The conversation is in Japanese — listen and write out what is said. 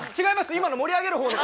今の盛り上げる方の。